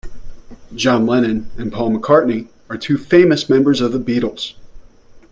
John Lennon and Paul McCartney are two famous members of the Beatles.